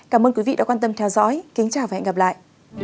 cảm ơn quý vị đã quan tâm theo dõi kính chào và hẹn gặp lại